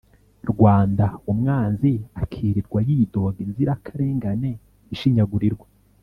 Rwanda Umwanzi akirirwa yidoga Inzirakarengane ishinyagurirwa